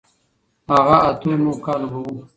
هغه اتو نهو کالو به و.